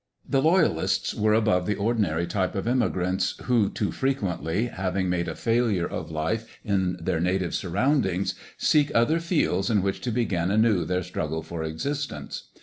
The Loyalists were above the ordinary type of emigrants who, too frequently, having made a failure of life in their native surroundings, seek other fields in which to begin anew their struggle for existence.